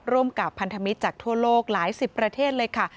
ร่วมกับพันธมิตรจากทั่วโลกหลายสิบประเทศเลยค่ะ